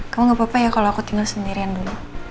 kamu gak apa apa ya kalau aku tinggal sendirian dulu